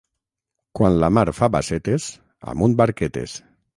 Quan la mar fa bassetes, amunt barquetes.